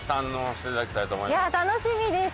いや楽しみです。